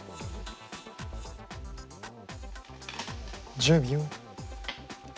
１０秒。